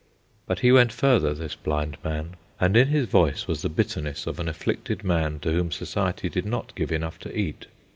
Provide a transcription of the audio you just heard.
But he went further, this blind man, and in his voice was the bitterness of an afflicted man to whom society did not give enough to eat.